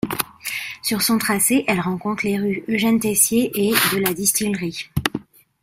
Sur son tracé elle rencontre les rues Eugène-Tessier et de la Distillerie.